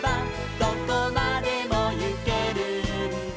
「どこまでもゆけるんだ」